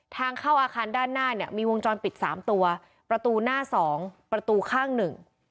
ทางเข้าอาคารด้านหน้าเนี่ยมีวงจรปิดสามตัวประตูหน้าสองประตูข้างหนึ่ง